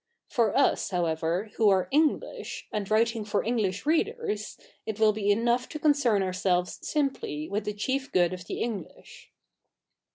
For us, however, who are English, a/id writing for English readers, it will be enough to coticern ourselves simply with the chief good of the English.